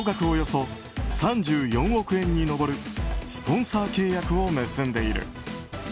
およそ３４億円に上るスポンサー契約を結んでいる。